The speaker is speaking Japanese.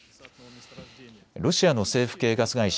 ロシアの政府系ガス会社